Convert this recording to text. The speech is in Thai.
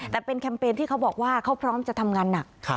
แต่เป็นแคมเปญที่เขาบอกว่าเขาพร้อมจะทำงานหนัก